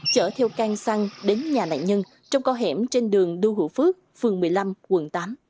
chở theo can xăng đến nhà nạn nhân trong co hẻm trên đường đu hữu phước phường một mươi năm quận tám